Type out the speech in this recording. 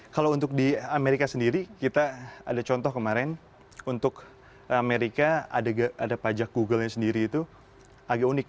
kalau untuk di amerika sendiri kita ada contoh kemarin untuk amerika ada pajak google nya sendiri itu agak unik